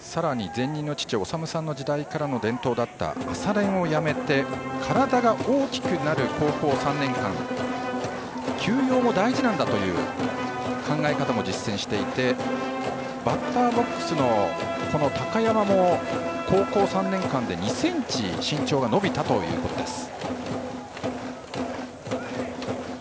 さらに前任の父士さんの時代からの伝統だった朝練をやめて体が大きくなる高校３年間休養も大事なんだという考え方も実践していてバッターボックスの、この高山も高校３年間で２ｃｍ身長が伸びたということです。